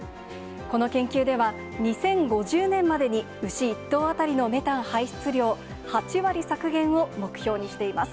この研究では、２０５０年までに、牛１頭当たりのメタン排出量８割削減を目標にしています。